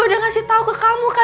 dan pasti mereka keluar